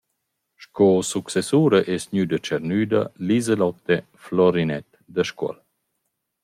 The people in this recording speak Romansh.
Sco successura es gnüda tschernüda Liselotte Florinett da Scuol.